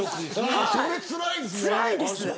それ、つらいですね。